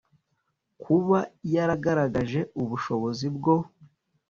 Kuba yaragaragaje ubushobozi bwo